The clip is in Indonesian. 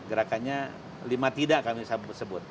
gerakannya lima tidak kami sebut